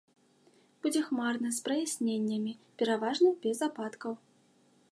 Будзе хмарна з праясненнямі, пераважна без ападкаў.